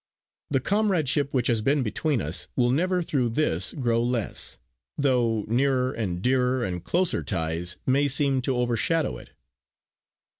The comradeship which has been between us, will never through this grow less; though nearer and dearer and closer ties may seem to overshadow it."